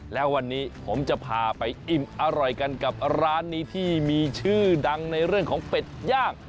แล้ววันนี้ผมจะพาไปอิ่มอร่อยกันกับร้านนี้ที่มีชื่อดังในเรื่องของเป็ดย่าง